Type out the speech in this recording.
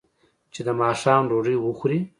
چې د ماښام ډوډۍ وخوري.